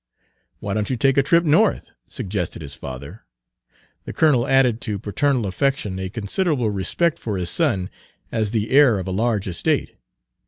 "Why don't you take a trip North?" suggested his father. The colonel added to paternal affection a considerable respect for his son as the heir of a large estate.